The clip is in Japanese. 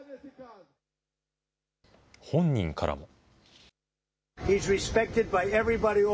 本人からも。